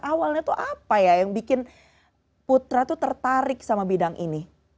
awalnya tuh apa ya yang bikin putra tuh tertarik sama bidang ini